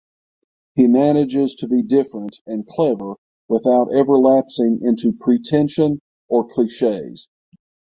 He manages to be different and clever without ever lapsing into pretension or cliches.